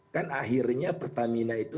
kan akhirnya pertamina itu